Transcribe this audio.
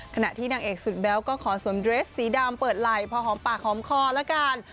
ขณะที่นางเอกสุดแบ๊วก็ขอสวมเดรสสีดำเปิดไหล่พอหอมปากหอมคอละกัน